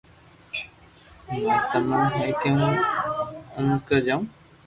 ماري تمنا ھي ڪي ھون امرڪا جاو